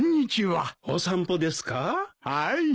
はい。